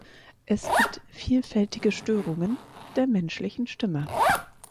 Es gibt vielfältige Störungen der menschlichen Stimme.